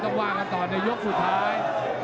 ว่ากันต่อในยกสุดท้าย